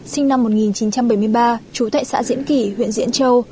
sinh năm một nghìn chín trăm bảy mươi ba trú tại xã diễn kỳ huyện diễn châu